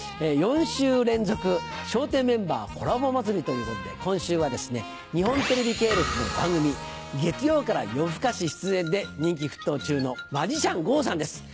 ４週連続笑点メンバーコラボまつりということで今週は日本テレビ系列の番組『月曜から夜ふかし』出演で人気沸騰中のマジシャンＧＯさんです。